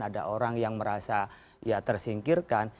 ada orang yang merasa ya tersingkirkan